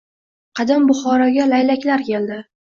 Qadim Buxoroga laylaklar keldi